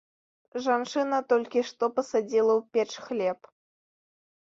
Жанчына толькі што пасадзіла ў печ хлеб.